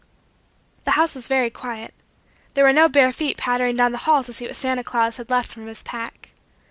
The house was very quiet. There were no bare feet pattering down the hall to see what Santa Claus had left from his pack.